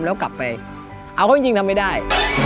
แล้วกลับไปเอาเขาจริงทำไม่ได้